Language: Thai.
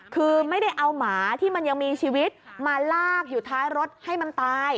คือไม่ได้เอาหมาที่มันยังมีชีวิตมาลากอยู่ท้ายรถให้มันตาย